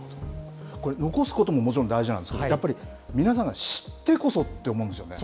これ、残すことももちろん大事なんですけれども、やっぱり皆さんが知ってこそって思うんですよね。